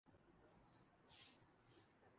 ابتدائی اقدامات میں ایک متوازن یکسمتی حرکت دکھاتا ہے